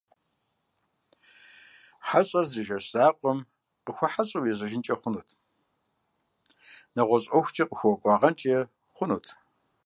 Хьэщӏэр зы жэщ закъуэм къыхуэхьэщӏэу ежьэжынкӏэ хъунут, нэгъуэщӏ ӏуэхукӏэ къыхуэкӏуагъэнкӏэ хъунут.